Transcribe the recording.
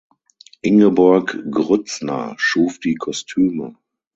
Ingeborg Grützner schuf die Kostüme.